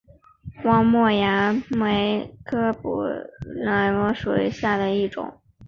望谟崖摩为楝科崖摩属下的一个种。